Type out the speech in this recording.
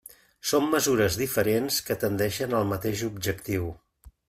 Són mesures diferents que tendeixen al mateix objectiu.